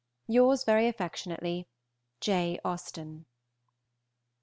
Yours very affectionately, J. AUSTEN.